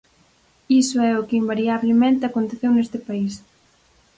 Iso é o que invariablemente aconteceu neste país.